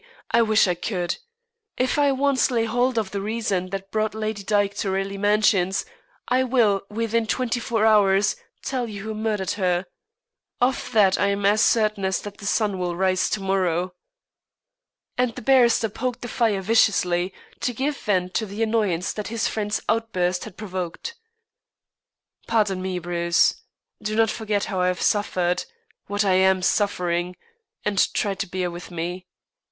I wish I could. If I once lay hold of the reason that brought Lady Dyke to Raleigh Mansions, I will, within twenty four hours, tell you who murdered her. Of that I am as certain as that the sun will rise to morrow." And the barrister poked the fire viciously to give vent to the annoyance that his friend's outburst had provoked. "Pardon me, Bruce. Do not forget how I have suffered what I am suffering and try to bear with me.